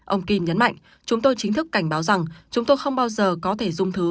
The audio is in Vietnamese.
ông kim nhấn mạnh chúng tôi chính thức cảnh báo rằng chúng tôi không bao giờ có thể dung thứ